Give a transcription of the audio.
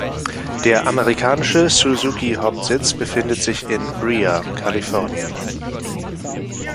Der amerikanische Suzuki-Hauptsitz befindet sich in Brea, Kalifornien.